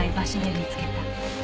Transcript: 見つけた。